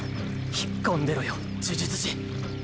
引っ込んでろよ呪術師。